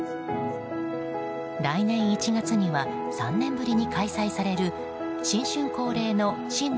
来年１月には３年ぶりに開催される新春恒例の新年